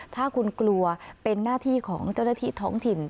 ถ้าคุณกลัวเป็นหน้าที่ของเจ้าหน้าที่ท้องถิ่น